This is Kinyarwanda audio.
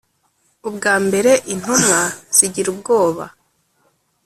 ubwa mbere intumwa zigira ubwoba